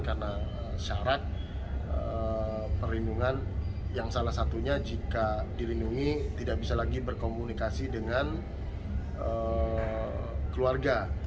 karena syarat perlindungan yang salah satunya jika dirindungi tidak bisa lagi berkomunikasi dengan keluarga